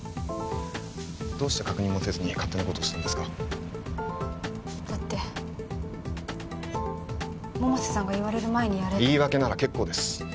どうして確認もせずに勝手なことをしたんですかだって百瀬さんが言われる前にやれって言い訳なら結構です